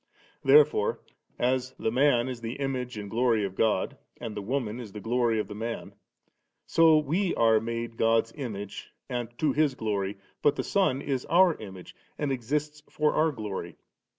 There fore, as 'the man is the image and glory of God, and the woman the glory of the man'^' so we are made God's image and to His gloiy; but the Son is our image^ and exists for our glory.